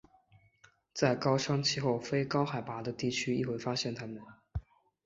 在高山气候非高海拔的地区亦会发现它们。